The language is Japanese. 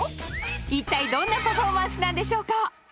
一体どんなパフォーマンスなんでしょうか？